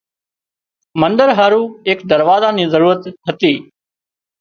منۮر هارُو ايڪ دروازا نِي ضرورت هتي